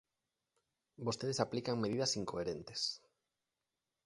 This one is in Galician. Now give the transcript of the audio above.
Vostedes aplican medidas incoherentes.